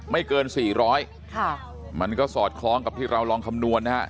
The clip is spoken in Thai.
ไม่เกินสี่ร้อยค่ะมันก็สอดคล้องกับที่เราลองคำนวณนะฮะ